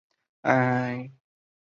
海滨圣玛丽。